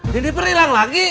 jennifer ilang lagi